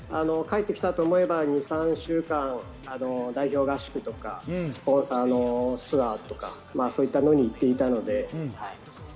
帰ってきたと思えば２３週間、代表合宿とかツアーとかそういったものに行っていたので。